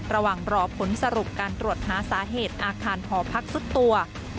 ระหว่างรอผลสรุปการตรวจหาสาเหตุอาคารหอพักสุดตัว